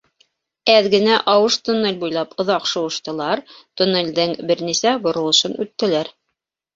Әҙ генә ауыш туннель буйлап оҙаҡ шыуыштылар, туннелдең бер нисә боролошон үттеләр.